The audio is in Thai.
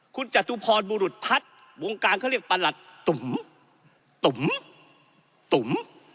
คุณจตุพรบุรุษพัฒน์วงการเขาเรียกประหลัดตุ๋มตุ๋มตุ๋ม